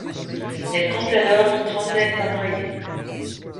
Elle compte alors une trentaine d'employés.